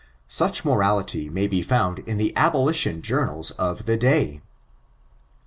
Sach morality may be foond in the aK>HtioQ jottmds of the day.